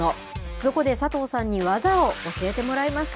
そこで、佐藤さんに技を教えてもらいました。